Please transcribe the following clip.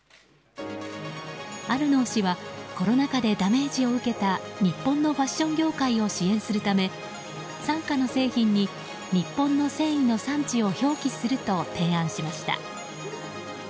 アルノー氏はコロナ禍でダメージを受けた日本のファッション業界を支援するため傘下の製品に日本の繊維の産地を表記すると提案しました。